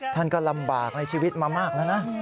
ท่านก็ลำบากในชีวิตมามากแล้วนะ